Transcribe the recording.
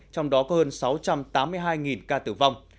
trong đó có hơn sáu trăm tám mươi hai ca tử vong